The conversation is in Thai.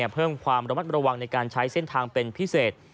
เพิ่มความระมัดระวังในการใช้เส้นทางเป็นพิเศษ